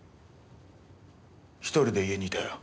１人で家にいたよ。